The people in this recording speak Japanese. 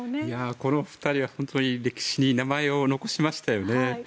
この２人は歴史に名前を残しましたよね。